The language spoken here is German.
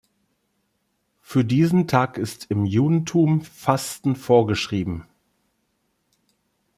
Für diesen Tag ist im Judentum Fasten vorgeschrieben.